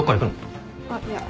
あっいや。